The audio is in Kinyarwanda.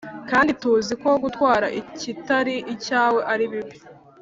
Kandi tuzi ko gutwara ikitari icyawe ari bibi